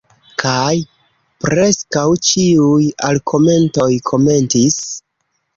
Kaj preskaŭ ĉiuj alkomentoj komentis: